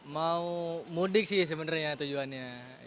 mau mudik sih sebenarnya tujuannya